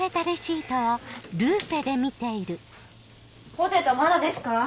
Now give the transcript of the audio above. ポテトまだですか？